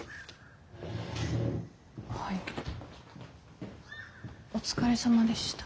はいお疲れさまでした。